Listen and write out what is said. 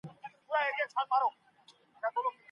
د هورا انقلابيان اوس هم په عاطفه کي دي.